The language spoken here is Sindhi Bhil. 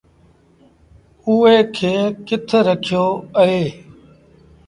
اُئي کي ڪِٿ رکيو اهي؟